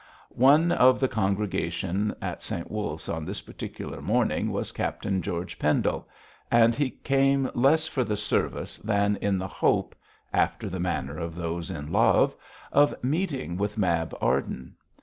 One of the congregation at St Wulf's on this particular morning was Captain George Pendle, and he came less for the service than in the hope after the manner of those in love of meeting with Mab Arden.